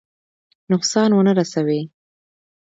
نقصان ونه رسوي.